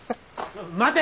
待て！